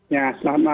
ya selamat malam